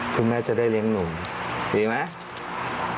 คุณแม่จะได้เลี้ยงหนุ่มดีไหม